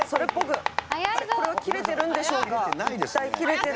これは切れてるんでしょうか。